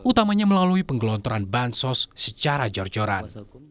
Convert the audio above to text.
utamanya melalui penggelontoran bansos secara jorjoran